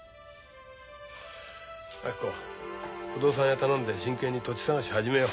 明子不動産屋頼んで真剣に土地探し始めよう。